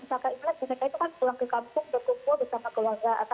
biasanya kalau misalkan in lag mereka itu kan pulang ke kampung berkumpul bersama keluarga